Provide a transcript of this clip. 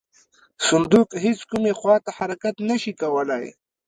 صندوق هیڅ کومې خواته حرکت نه شي کولی.